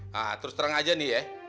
nah terus terang aja nih ya